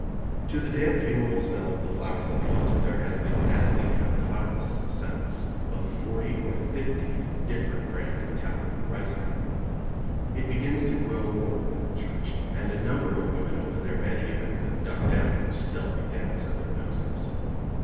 To the damp funeral smell of the flowers at the altar, there has been added the cacodorous scents of forty or fifty different brands of talcum and rice powder. It begins to grow warm in the church, and a number of women open their vanity bags and duck down for stealthy dabs at their noses.